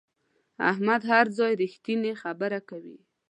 احمد هر ځای رښتینې خبره کوي.